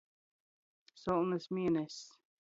Solnys mieness.